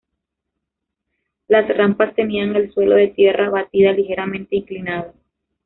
Las rampas tenían el suelo de tierra batida ligeramente inclinado.